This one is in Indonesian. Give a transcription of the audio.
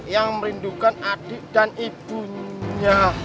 yang merindukan adik dan ibunya